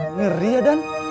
ngeri ya dan